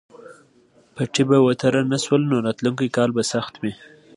پټي به وتره نه شول نو راتلونکی کال به سخت وي.